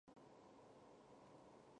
山本周五郎奖评选对象为大众文学。